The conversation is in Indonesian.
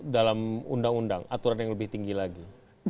dalam undang undang aturan yang lebih tinggi lagi